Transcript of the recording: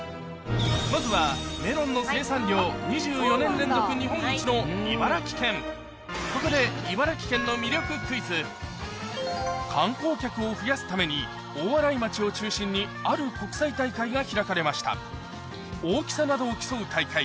まずはここで観光客を増やすために大洗町を中心にある国際大会が開かれました